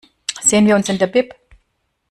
Sehen wir uns in der Bib?